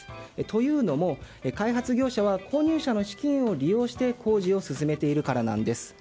というのも開発業者は購入者の資金を利用して工事を進めているからなんです。